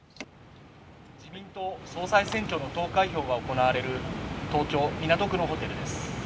総裁選挙の投開票が行われる東京港区のホテルです。